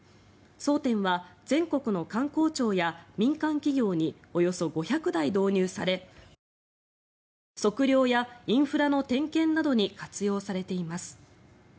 ＳＯＴＥＮは全国の官公庁や民間企業におよそ５００台導入され測量やインフラの点検などに活用されています。